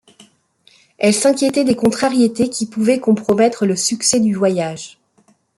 Elle s’inquiétait des contrariétés qui pouvaient compromettre le succès du voyage.